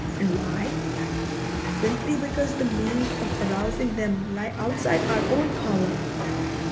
And why? Simply because the means of arousing them lie outside our own power.